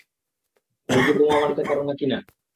তুমি কি বোমা বানাতে পারো নাকি না?